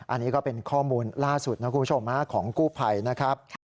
อันนี้ก็เป็นข้อมูลล่าสุดนะคุณผู้ชมของกู้ภัยนะครับ